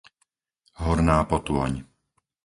Horná Potôň